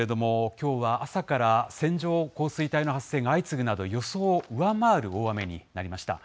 きょうは朝から線状降水帯の発生が相次ぐなど、予想を上回る大雨になりました。